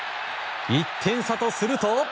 １点差とすると。